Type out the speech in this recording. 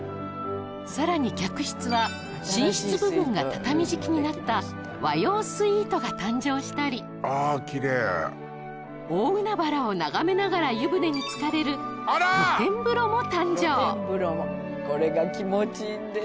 さらに客室は寝室部分が畳敷きになった和洋スイートが誕生したりあキレイ大海原を眺めながら湯船につかれる露天風呂も誕生露天風呂もこれが気持ちいいんです